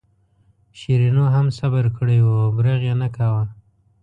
شیرینو هم صبر کړی و او برغ یې نه کاوه.